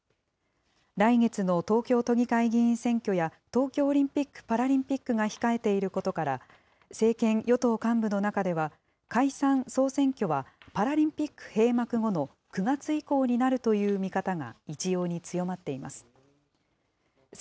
来月の東京都議会議員選挙や、東京オリンピック・パラリンピックが控えていることから、政権与党幹部の中では、解散・総選挙はパラリンピック閉幕後の９月以降になるという見方が一様に強まっています。